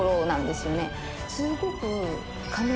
すごく。